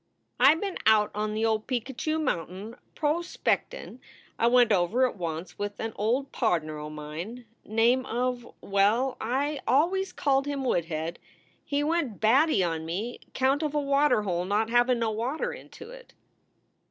"I been out on the old Picacho mountain pros speck tin . I went over it once with an old pardner o mine name of well, I always called him Woodhead. He went batty on me count of a water hole not havin no water into it."